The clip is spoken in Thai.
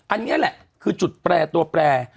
อันนี้แหละคือจุดแปรตัวแปร